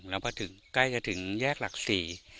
แล้วพอถึงใกล้จะถึงแยกหลักสี่